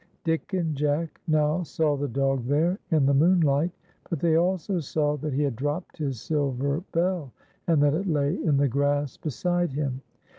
Dick and Jack now saw the dog there in the moonlight, but they also saw that he had dropped his silver bell, and that it lay in the grass beside him.